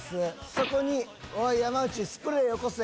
そこに「山内スプレーよこせ！」